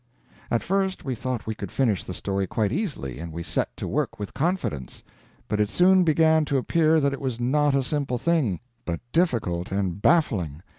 At first we thought we could finish the story quite easily, and we set to work with confidence; but it soon began to appear that it was not a simple thing, but difficult and baffling.